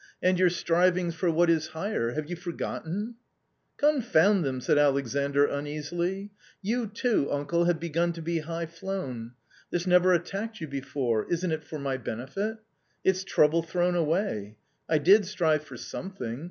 And your strivings for what is higher — have you for gotten ?"" Confound them !" said Alexandr uneasily. " You too, uncle have begun to be high flown. This never attacked you before. Isn't it for my benefit ? It's trouble thrown away ! I did strive for something